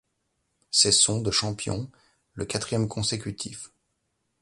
C’est son de champion, le quatrième consécutif.